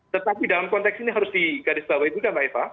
tetapi dalam konteks ini harus digarisbawahi juga mbak eva